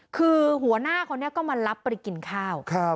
คือหัวหน้าคนนี้ก็มารับไปกินข้าว